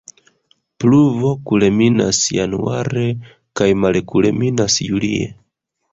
Pluvo kulminas Januare kaj malkulminas Julie.